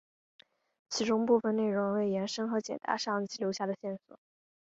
其中部分内容为延伸和解答上集留下的线索。